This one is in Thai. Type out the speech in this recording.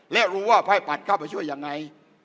และรู้ว่าภัยปาดเข้ามาช่วยยังไง